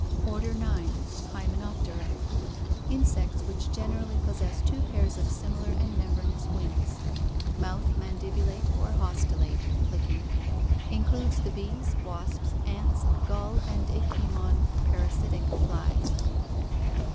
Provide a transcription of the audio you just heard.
Order 9. Hymenoptera. Insects which generally possess two pairs of similar and membranous wings. Mouth mandibulate or haustellate (licking). Includes the bees, wasps, ants, gall and ichneumon (parasitic) flies.